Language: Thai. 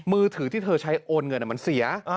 มือถือที่เธอใช้โอนเงินมันเสีย